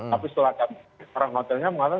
tapi setelah kami orang hotelnya mengatakan